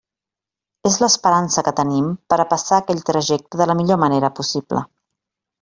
És l'esperança que tenim per a passar aquell trajecte de la millor manera possible.